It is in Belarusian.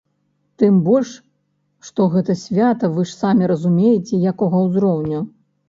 Тым больш, што гэта свята вы ж самі разумееце, якога ўзроўню!